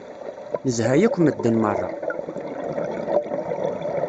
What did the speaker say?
Nezha yakk medden merra